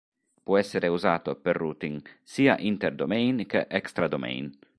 Può essere usato per routing sia inter-domain che extra-domain.